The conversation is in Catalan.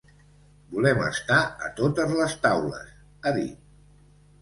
Volem estar a totes les taules, ha dit.